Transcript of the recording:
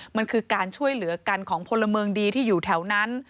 มันคือการช่วยเหลือกันของพลเมืองดีที่อยู่แถวนั้น